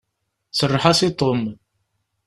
Serreḥ-as i Tom!